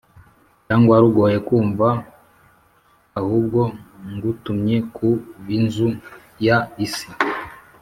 Cyangwa rugoye kumva u ahubwo ngutumye ku b inzu ya isi